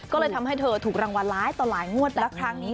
ก็เลยทำให้เธอถูกรางวัลร้ายต่อหลายงวดแล้วครั้งนี้